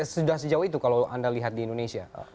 sudah sejauh itu kalau anda lihat di indonesia